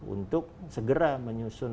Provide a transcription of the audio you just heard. untuk segera menyusun